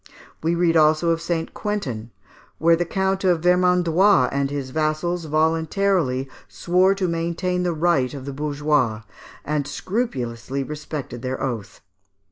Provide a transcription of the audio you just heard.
We read also of St. Quentin, where the Count of Vermandois and his vassals voluntarily swore to maintain the right of the bourgeois, and scrupulously respected their oath.